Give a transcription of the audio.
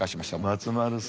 松丸さんは。